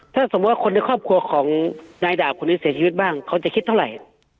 ถ้าสมมุติว่าคนในครอบครัวของนายดาบคนนี้เสียชีวิตบ้างเขาจะคิดเท่าไหร่